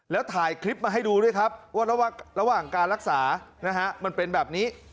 แล้วถ่ายคลิปมาให้ดูด้วยครับว่าระหว่างการรักษานะฮะมันเป็นแบบนี้